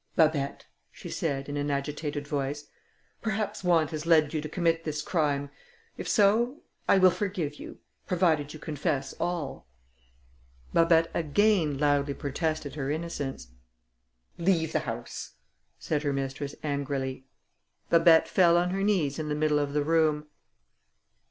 "Babet," she said, in an agitated voice, "perhaps want has led you to commit this crime; if so, I will forgive you, provided you confess all." Babet again loudly protested her innocence. "Leave the house," said her mistress angrily. Babet fell on her knees in the middle of the room.